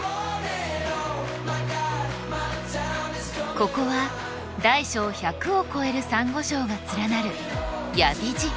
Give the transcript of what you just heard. ここは大小１００を超えるサンゴ礁が連なる八重干瀬。